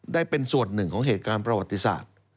ได้เป็นส่วนหนึ่งของเหตุการณ์ประวัติศาสตร์